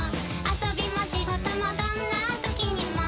「遊びも仕事もどんな時にも」